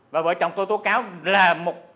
và vợ chồng tôi tố cáo là một